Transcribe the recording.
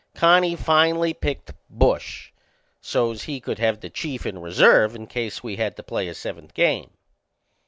Connie finally picked Bush, so's he could have the Chief in reserve in case we had to play a seventh game.